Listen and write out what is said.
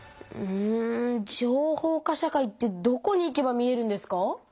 うん情報化社会ってどこに行けば見えるんですか？